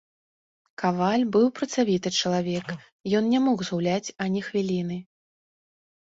Каваль быў працавіты чалавек, ён не мог згуляць ані хвіліны.